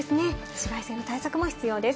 紫外線対策も必要です。